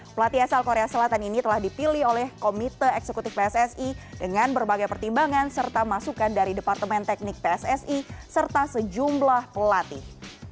pelatih asal korea selatan ini telah dipilih oleh komite eksekutif pssi dengan berbagai pertimbangan serta masukan dari departemen teknik pssi serta sejumlah pelatih